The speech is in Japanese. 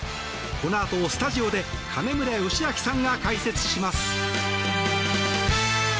このあとスタジオで金村義明さんが解説します。